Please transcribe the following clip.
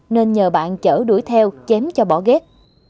nên nhờ bạn chở đuổi theo chém cho bỏ ghét